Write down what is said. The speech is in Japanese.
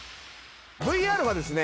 ＶＲはですね